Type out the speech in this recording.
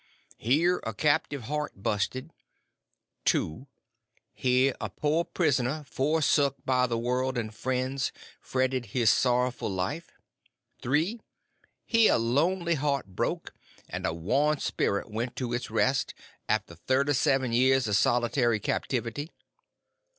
Here a captive heart busted. 2. Here a poor prisoner, forsook by the world and friends, fretted his sorrowful life. 3. _Here a lonely heart broke, and a worn spirit went to its rest, after thirty seven years of solitary captivity.